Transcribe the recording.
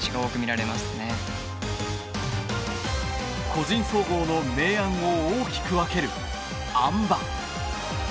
個人総合の明暗を大きく分けるあん馬。